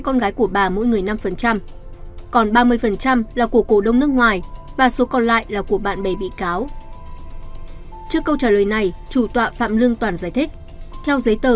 trước trả lời này của bị cáo chủ tọa phạm lương toàn giải thích